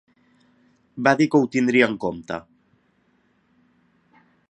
Va dir que ho tindria en compte.